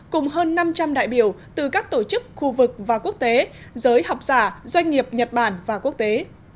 cùng hơn năm trăm linh đại biểu từ các tổ chức khu vực và quốc tế giới học giả doanh nghiệp nhật bản và quốc tế